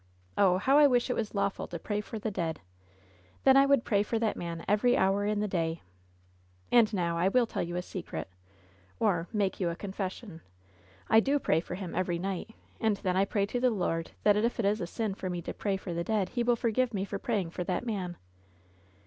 Oh, how I wish it was lawful to pray for the dead I Then I would pray for that man every hour in the day. And now I will tell you a secret, or — ^make you a confession : I do pray for him every night, and then I pray to the Lord that if it is a sin for me to pray 46 LOVE'S BITTEREST CUP for the dead He will forgive me for praying for that man.